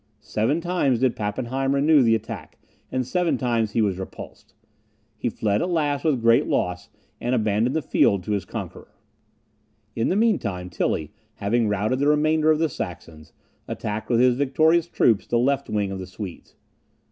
Seven times did Pappenheim renew the attack, and seven times was he repulsed. He fled at last with great loss, and abandoned the field to his conqueror. In the mean time, Tilly, having routed the remainder of the Saxons, attacked with his victorious troops the left wing of the Swedes.